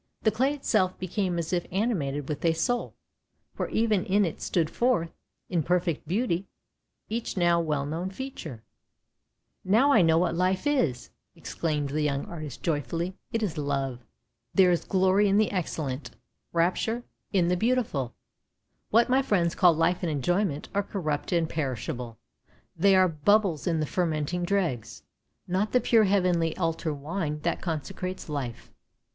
The clay itself became as if animated with a soul, for even in it stood forth, in perfect beauty, each now well known feature. " Now I know what life is," exclaimed the young artist joyfully; "it is love. There is glory in the excellent; rapture PSYCHE 107 in the beautiful. What my friends call life and enjoyment are corrupt and perishable — they are bubbles in the fermenting dregs, not the pure heavenly altar wine that consecrates life.